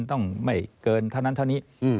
ต้องไม่เกินเท่านั้นเท่านี้